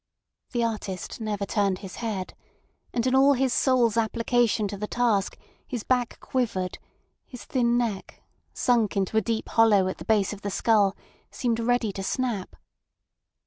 The artist never turned his head; and in all his soul's application to the task his back quivered, his thin neck, sunk into a deep hollow at the base of the skull, seemed ready to snap.